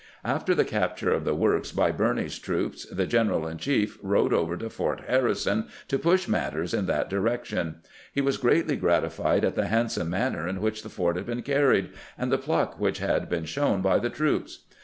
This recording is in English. After the capture of the works by Birney's troops, the general in chief rode over to Fort Harrison to push matters in that direction. He was greatly gratified at the handsome manner in which the fort had been carried, and the pluck which had been shown by the troops.